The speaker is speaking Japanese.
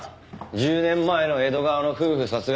１０年前の江戸川の夫婦殺害事件